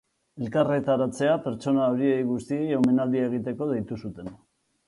Elkarretaratzea pertsona horiei guztiei omenaldia egiteko deitu zuten.